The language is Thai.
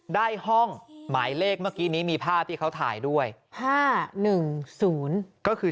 ได้ห้องหมายเลขเมื่อกี้นี้มีภาพที่เขาถ่ายด้วย๕๑๐ก็คือ